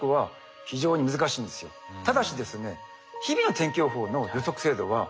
ただしですね